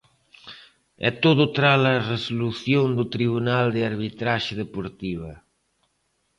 E todo tras a resolución do Tribunal de Arbitraxe Deportiva.